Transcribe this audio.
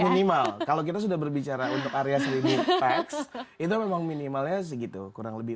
minimal kalau kita sudah berbicara untuk area selidi teks itu memang minimalnya segitu kurang lebih